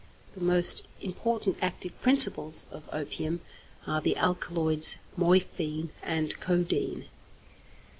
The most important active principles of opium are the alkaloids morphine and codeine.